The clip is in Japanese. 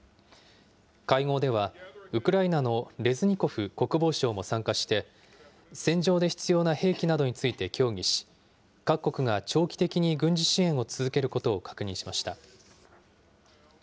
会合では、ウクライナのレズニコフ国防相も参加して、戦場で必要な兵器などについて協議し、各国が長期的に軍事支援を続けることを確認しました。